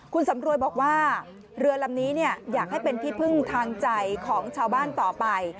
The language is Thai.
คุณสำรวยบอกว่าเรือลำนี้อยากให้เป็นที่พึ่งทางใจของชาวบ้านต่อไป